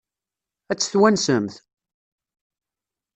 Ad tt-twansemt?